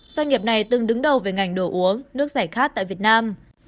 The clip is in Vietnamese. doanh nghiệp này từng đứng đầu về ngành đồ uống nước giải khát tại việt nam